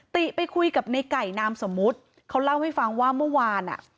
ติไปคุยกับในไก่นามสมมุติเขาเล่าให้ฟังว่าเมื่อวานอ่ะ